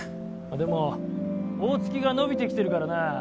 でも大月が伸びてきてるからな